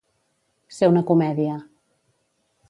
Ser una comèdia.